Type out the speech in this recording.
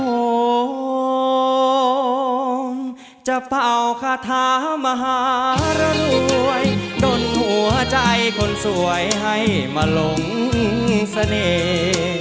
จะเป่าคาถามหารรวยดนหัวใจคนสวยให้มาหลงเสน่ห์